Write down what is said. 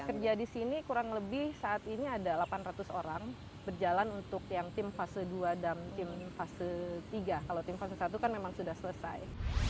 kerja di sini kurang lebih saat ini ada delapan ratus orang berjalan untuk yang tim fase dua dan tim fase tiga kalau tim fase satu kan memang sudah selesai